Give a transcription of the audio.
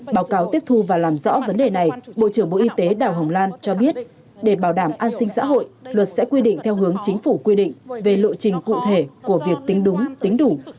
báo cáo tiếp thu và làm rõ vấn đề này bộ trưởng bộ y tế đào hồng lan cho biết để bảo đảm an sinh xã hội luật sẽ quy định theo hướng chính phủ quy định về lộ trình cụ thể của việc tính đúng tính đủ